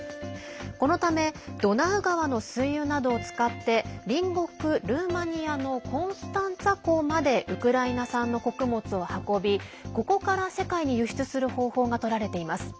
このため、ドナウ川の水運などを使って隣国ルーマニアのコンスタンツァ港までウクライナ産の穀物を運びここから世界に輸出する方法がとられています。